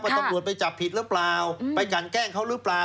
ตำรวจไปจับผิดหรือเปล่าไปกันแกล้งเขาหรือเปล่า